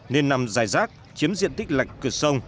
nên nằm dài rác chiếm diện tích lạch cửa sông